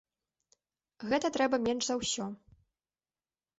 Гэта трэба менш за ўсё.